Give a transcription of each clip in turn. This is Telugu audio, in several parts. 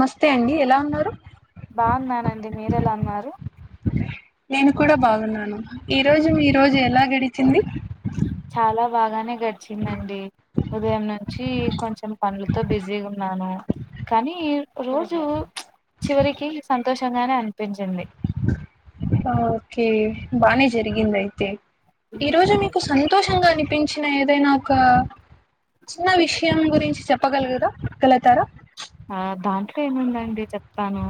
మస్తే అండి ఎలా ఉన్నారు? బాగున్నానండి మీరెలా ఉన్నారు నేను కూడా బాగున్నాను ఈ రోజు మీ రోజు ఎలా గడిచింది. చాలా బాగానే గడిచిందండి తో బిజీగున్నాను కానీ రోజు చివరికి సంతోషంగానే అన్పించింది. ఓకే బానే జరిగిందయితే. ఈ రోజు మీకు సంతోషంగా అన్పించిన ఏదైనా ఒక చిన్న విషయం గురించి చెప్పగలుగురా గలుగుతారా ఆ దాంట్లో ఏముందండి చెప్తాను.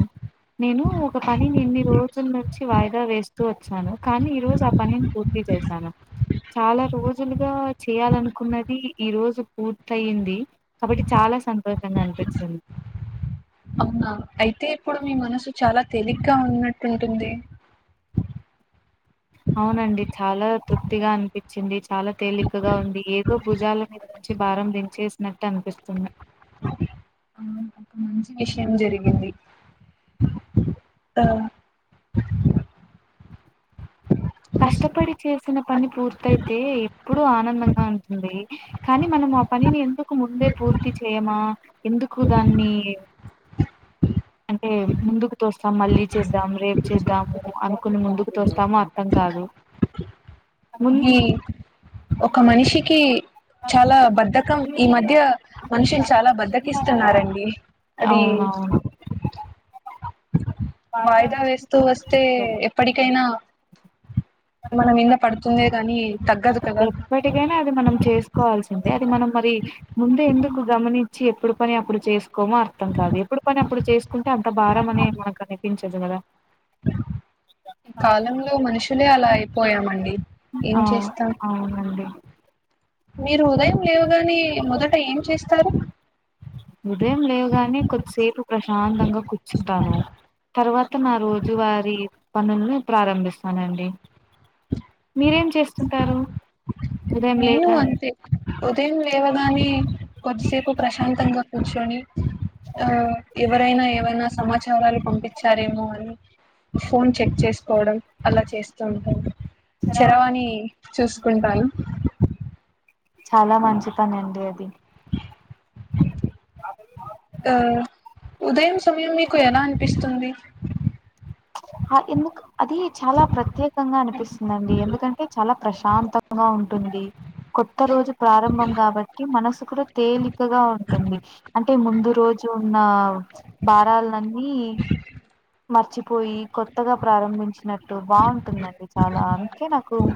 నేను ఒక పని ఎన్ని రోజుల్ నుంచి వాయి దా వేస్తూ వచ్చాను కానీ ఈ రోజు ఆ పనిన్ పూర్తి చేశాను. చాలా రోజులుగా చేయాలనుకున్నది ఈ రోజు పూర్తయింది కాబట్టి చాల్ లా సంతోషంగా అన్పించింద్ అవునా అయితే ఇప్పుడు మీ మనసు చాలా తేలిగ్గా ఉన్నట్టుంటుంది. అవునండి చాలా తృప్తిగా అన్పిచ్చిది. చాలా తేలికగా ఉంది ఏదో భుజాల మీద నుంచి భారం దించేస్నట్ అన్పిస్తుంది. విషం జరిగింది ఆ కష్టపడి చేసిన పని పూర్తయితే ఎప్పుడు ఆనందంగా ఉంటుంది. కానీ మనం ఆ పనిని ఎందుకు ముందే పూర్తి చేయమా ఎందుకు దాన్ని అంటే ముందుకు తోస్తాం మళ్ళీ చేద్దాం రేప్ చేద్దాము అనుకుని ముందుకు తోస్తాము. ర్ధం కాదు. మున్ అదీ ఒక మనిషికి చాలా బద్ధకం ఈ మధ్య మనిషిని చాలా బద్దకిస్తున్నారండి. అదీ అవునవును వాయిదా వేస్తూ వస్తే ఎప్పటికైనా మన మీద్నే పడుతుందే గాని తగ్గదు కదా ఎప్పటికైనా అది మనం చేస్కోవాల్సిందే అది మనం మరి ముందే ఎందుకు గమనిం చి ఎప్పుడు పని అప్పుడు చేస్కోమో అర్థం కాదు. ఎప్పుడు పని అప్పుడు చేస్కుంటే అంత భారం అని మనక్ అనిపించ దు గద కాలంలో మనుషులే అలా అయిపోయామండి. ఏం అవు చేస్తాం అవునండి. మీరు ఉదయం లేవగానే మొదట ఏం చేస్తారు. ఉదయం లేవగానే కొద్దిసేపు ప్రశాంతంగా కూర్చుంటాను. తర్వాత నా రోజు వారి పనుల్ని ప్రారంభిస్తానండి. మీరేం చేస్తుంటారు ఉదయం నేను లేవగానే? అంతే ఉదయం లేేవగానే కొద్దిసేపు ప్రశాంతంగా కూర్చొని ఆ ఎవరైనా ఏవైనా సమాచారాలు పంపి సారేమో అని ఫోన్ చెక్ చేసుకోవడం అలా చేస్త ఉంటం సరాం టీ చూస్కుంటాను. చాలా మంచి పని అండి అది ఆ ఉదయం సమయం మీకు ఎలా అనిపిస్తుంది ఆ ఎందుకు అది చాలా ప్రత్యేకంగా అనిపిస్తుందిండి ఎందుకంటే చాలా ప్రశాంతంగా ఉంటుంది కొత్త రోజు ప్రారంభం కాబట్టి మనసు కూడా తేలికగా ఉంటుంది అంటే ముందు రోజు ఉన్న బరల్నని మర్చిపోయి కొత్తగా ప్రారంభించినట్టు బాగుంటుందండి చాలా అందుకే నాకు హ్మ్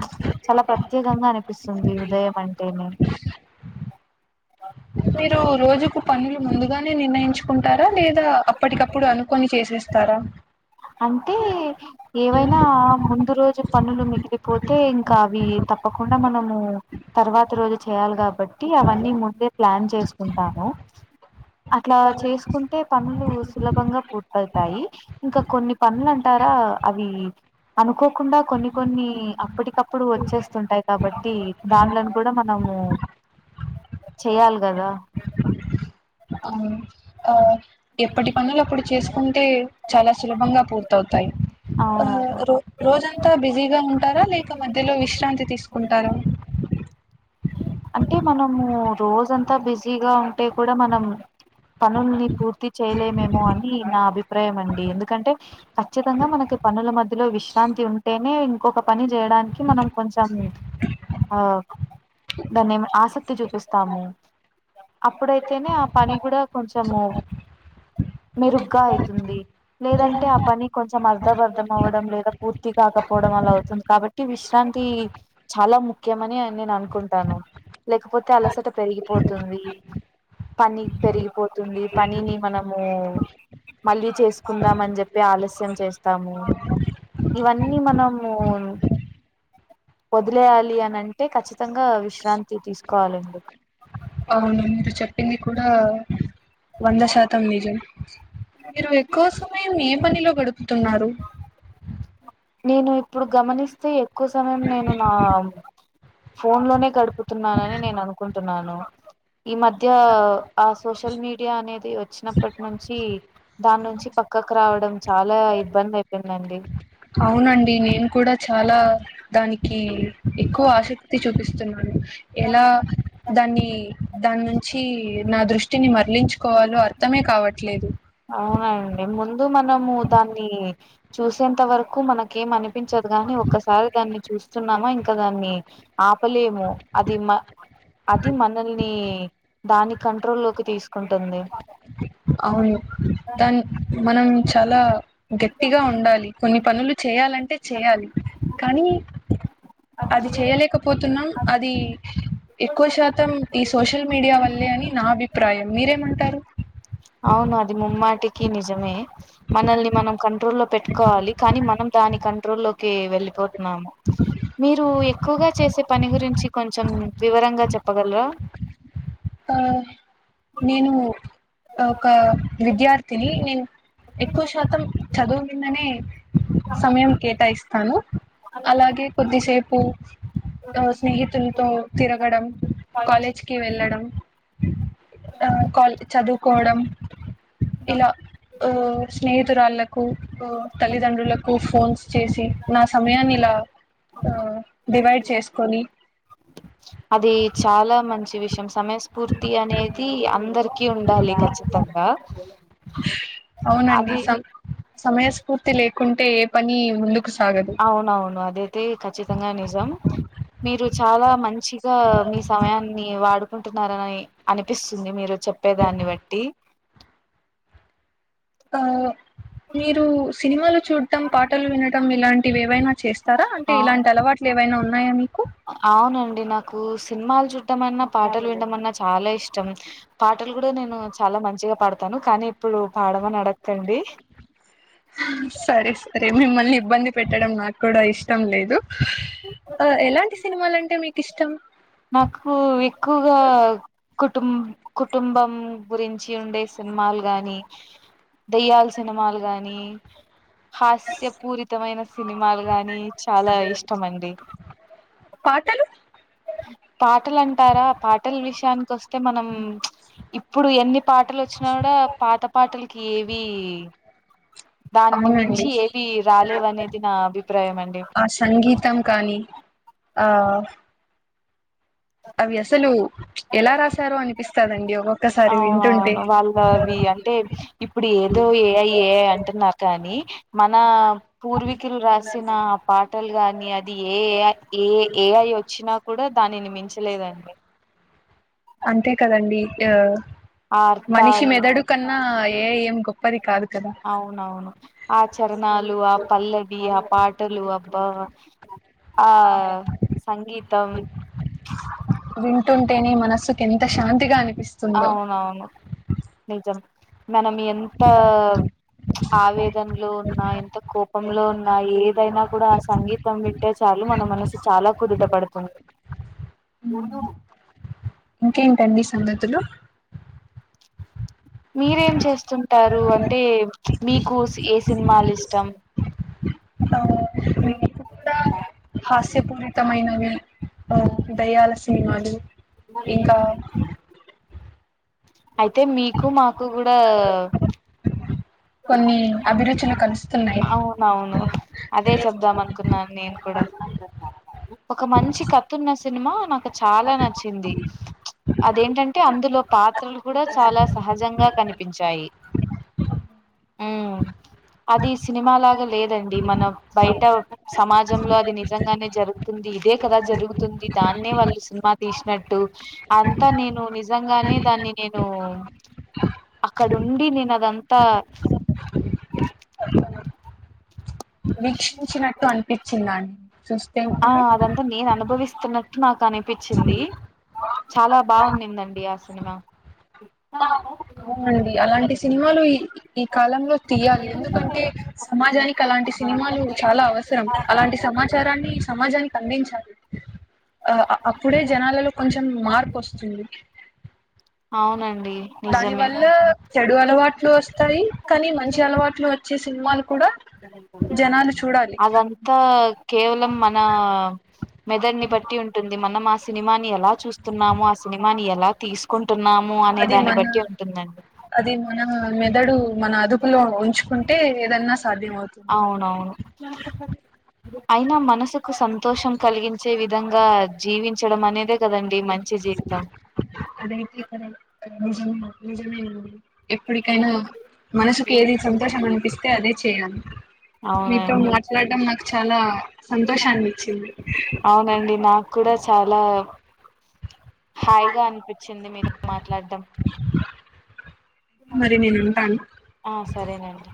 చాల ప్రత్యేకంగా అనిపిస్తుంది ఉదయం అంటేనే మీరు రోజుకు ఫైర్ ముందుగానే నిర్ణయించుకుంటారా లేదా అప్పటికప్పుడె అనుకని చేసేస్తార అంటే ఏవైనా ముంద్ దు రోజు పనులు మిగిలిపోతే ఇంకా అవి తప్పకుండా మనము తర్వాత రోజు చేయాలి కాబట్ టీ అవన్నీ ముందే ప్లాన్ చేసుకుంటాము అట్లా చేసుకుంటే పనులు సులభంగా పూర్తతాయి ఇంకా కొన్ని పనులు అంటారా అవి అనుకోకుండా కొన్ని కొన్ని అప్పటికప్పుడు వచ్చేస్తుంటాయి కాబట్టి దాంలను కూడ మనము చేయాలి కదా అవును అ ఎప్పటి పనులు ఆప్పుడు చేసుకుంటే చాల సులభంగా పూర్తవుతాయి ఆ అవునండి రో రోజంతా బిజీగా ఉంటారా లేక మధ్యలో విశ్రాంతి తీసుకుంటారా అంటే మనము రోజ అంతా బిజీగా ఉంటే కూడ మనం పనుల్ని పూర్తి చేయలేమేమె అని నా అభిప్రాయం అండి ఎందుకంటే ఖచ్చితంగా మనకి పనుల మధ్యలో విశ్రాంతి ఉంటేనే ఇంకొక పని చేయడానికి మనకి కొంచెం అవును దాన్నిమి ఆసక్తి చూపిస్తాము అప్పుడైతేనే ఆ పని కూడ కొంచము మెరుగ్గా యితుంది లేదంటే ఆ పని కొంచెం అర్ధ అర్ధం అవ్వడం లేక పూర్తి కాకపోవడం ళ అవుతుంది కాబట్టి విశ్రాంతి చాల ముఖ్యమనె నేను అనుకుంట్ టాను లేకపోతే అలసట పెరిగిపోతుంది పని పెరిగిపోతుంది పనిని మనమూ మళ్ళీ చేసుకుందాం అని చెప్పి ఆలస్యం చేస్తాము ఇవన్నీ మనము వదిలేయాలి అని అంటే ఖచ్చితంగా విశ్రాంతి తీసుకోవాలండి అవును మీరు చెప్పింది కూడా వంద శాతం నిజం మీరు ఏక్కువ సమయం ఏ పనిలో గడుపుతున్నారు నేను ఇప్పుడు గమనిస్తే ఎక్కువ సమయం నేను నా ఫోన్ లోనే గడుపుతున్నానని నేను అనుకుంటున్నాను ఈ మధ్య ఆ సోషల్ మీడియా అనేది వచ్చినప్పటి నుంచి దాని నుంచి పక్ క్కక్ రావడం చాలా ఇబ్బంది అయిపోయిందండి అవునండి నేను కూడ చాలా దానికీ ఎక్కువ అశేక్తి చూపిస్ న్నాన్ ఎలా దాన్ని దాన్నుంచీ నా దృష్ట్ ట్టిని మరలించుకోవాలో అర్థమే కావట్లేదు అవునండి ముందు మనము దాన్నీ చూసేంత వరకు మనకేం అనిపించ కాని ఒక్కసారి దాన్ని చూస్తున్నామా ఇంకా దాన్ని ఆపలేము అది మ అది మనల్ని దాని కంట్రోల్ లోకి తీస్కుంటుంది అవును దాన్ మనం చాల గట్టిగా ఉండాలి కొన్ని పనులు చేయాలంటే చేయాలి కానీ అది చేయలేకపోతున్నా అది ఎక్కువ శాతం ఈ సోషల్ మీడియా వల్లే అని నా అభిప్రాయం మీరేమంటారు అవును అది ముమ్మాటికి నిజమే మనల్ని మనం కంట్రోల్లో పెట్టుకోవాలి కానీ మనం దాని కంట్రోల్లోకి వెళ్ళిపో మీరు ఎక్కువగా చేసే పని గురించి కొంచెం వివరంగా చె ప్పగలరా ఆ నేను ఒక విద్యార్థిని నేన్ ఎక్కువ శాతం చదువు మిందనే సమయం కేటాయిస్తాను అలాగే కొద్దిసేపు ఆ స్నేహితులతో తిరగడం కాలేజ్కి వెళ్ళడం ఆ కాల చదువుకోవడం ఇలా ఆ స్నేహి తురాళ్లకు ఉ తల్లిదండ్రులకు ఫోన్స్ చేసి నా సమయాన్ని ఇలా ఆ డివైడ్ చేసుకొని అది చాలా మ సమయస్ఫూర్తి అనేది అందరికి ఉండాలి ఖచ్చితంగా అవునండి అది స సమయస్ఫూర్తి లేకుంటే ఏ పని ముందు అవునవును అదైతే ఖచ్చితంగా నిజం మీరు చాలా మంచిగా మీ సమయాన్ని వాడు కుంటున్నారనని అనిపిస్తుంది మీరు చెప్పేదాన్ని బట్టి ఆ మీరు సినిమాలు చూడటం పాటలు వినటం ఇలాంటివి ఏవైనా చేస్తారా అంటే ఆ ఇలాంటి అలవాట్లు ఏవైనా ఉన్నాయా మీకు అవునండి నాకు సినిమాలు చూడటమన్నా పాటలు వినటమన్నా చాలా ఇష్టం పాటలు కూడా నేను చాలా మంచిగా పాడతాను కానీ ఇప్పుడు పాడమని అడక్కండి సరే సరే మిమ్మల్ని ఇబ్బంది పెట్టడం నాకూడా ఇష్టం లేదు అ ఎలాంటి సినిమాలంటే మీకిష్టం నాకు ఎక్కువగా కుటుం కుటుంబం గురించి ఉండేసిం మాల్ గాని దయ్యాాల్ సినిమాలు గాని హాస్యపూరితమైన సినిమాలు గాని చాలా ఇష్టమండి పాటలు కొస్తే మనం ఇప్పుడు ఎన్ని పాటలు వచ్చినా కూడా పాత పాటలకి ఏవి దాన్ని అవునండి మించి ఏవి రాలేవనేది నా అభిప్రాయం అండి ఆ సంగీతం కానీ ఆ అవి అసలు ఎలా రాసారో అనిపిస్తాదండి ఆ వాళ్ళవి అంటే ఇప్పుడు ఏదో ఎ ఐ ఎ ఐ అంటున్నారు కానీ మనా పూర్వీకులు రాసిన పాటలు గాని అది ఏ A I A A I వచ్చినా కూడా దానిని మించలేదండి అంతే కదండి ఆ ఆ మనిషి అర్థాలు మెదడు కన్నా ఏ ఐ ఏం గొప్పది కాదు కదా అవునవును ఆ చరణాలు ఆ పల్లవి ఆ పాటలు అబ్బా ఆ సంగీతం కెంత శాంతిగా అని అవునవును నిజం మనం ఎంతా ఆవేదనలో ఉన్నా ఎంత కోపంలో ఉన్నా ఏదైనా కూడా ఆ సంగీతం వింటే చా లు మన మనసు చాలా కుదుట పడుతుంది ఇంకేంటండి సంగతులు మీరేం చేస్తుంటారు అంటే మీకు ఏ సినిమాలిష్టం అ నేను కూడా హాస్యపూరితమైనవి దయ్యాల సినిమాలు ఇంకా అయితే మీకు మాకు కూడా కొన్ని అభిరుచులు కలుస్ అవునవును అదే చెబ్దాం అనుకున్నాను నేను కూడా ఒక మంచి కతున్న సినిమా నాకు చాలా నచ్చింది అదేంటంటే అందులో పాత్రలు కూడా చాలా సహజంగా కనిపించాయి ఉమ్ అది సినిమాలాగా లేదండి మనం బయట స్ సమాజంలో అది నిజంగానే జరుగుతుంది ఇదే కదా జరుగుతుంది దాన్నే వాళ్ళు సినిమా తీశినట్టు అంతా నేను నిజంగానే దాన్ని నేను అక్కడుండి నేను అదంతా వీక్షించినట్టు అనిపించిందాన్ ఆహ్ అదంతా నేను అనుభవిస్తున్నట్టు నాకు అనిపిచింది చాలా బాగున్నిందండి ఆ సినిమా అవునండి అలాంటి సినిమాలు ఇ ఈ కాలంలో తీయాలి ఎందుకంటే సమాజానికి అలాంటి లంటి సినిమాలు చాలా అవసరం అలాంటి సమాచారాన్ని సమాజానికి అందించాలి ఆ అ అప్పుడే జనాలలో కొంచెం మారపొస్తుంది అవునండి దాని నిజమే వల్లా చెడు అలవాట్లు వస్తాయి కానీ మంచి అలవాట్లు వచ్చే సినిమాలు కూడా జనాలు చూడాలి అదంతా కేవలం మన మెదడ్ని బట్టి ఉంటుంది మనం ఆ సినిమాని ఎలా చూస్తున్నామో ఆ సినిమాని ఎలా తీసుకున్ టున్నాము అనే అది దాన్ని మన బట్టి ఉంటుందండి అది మన మెదడు మన అదుపులో ఉంచుకుంటే ఏదన్నా సాధ్యం అవుతుంది అవునవును అయినా మనసుకు సంతోషం కలిగించే విధంగా జీవించడం అనేది కదండి మంచి జీవితం నిజమే నిజమేనండి ఎప్పటికైనా మనసుకి ఏది సంతోషం అనిపిస్ మీతో అవునండి మాట్లాడటం నాకు చాలా సంతోషానిచ్చింది అవునండి నాకు కూడా చాలా హాయిగా అనిపిచింది మీతో మాట్లాడడం మరి నేను ఉంటాను ఆ సరేనండి